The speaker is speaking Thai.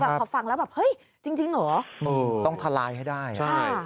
พอฟังแล้วแบบเฮ้ยจริงเหรอต้องทลายให้ได้ใช่